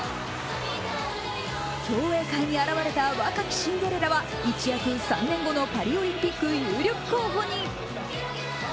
競泳界に現れた若きシンデレラは一躍３年後のパリオリンピック有力候補に。